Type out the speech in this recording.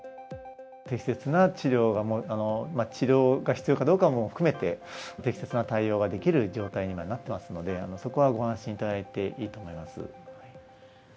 適切な治療や治療が必要かどうかも含めて、適切な対応ができる状態に今、なっていますので、そこはご安心いただいていいと思います。